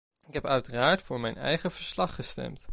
Ik heb uiteraard voor mijn eigen verslag gestemd.